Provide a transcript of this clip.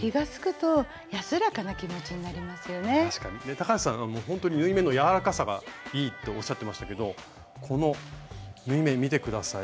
高橋さん縫い目の柔らかさがいいっておっしゃってましたけどこの縫い目見て下さい。